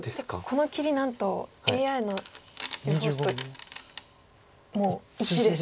この切りなんとＡＩの予想手ともう一致です。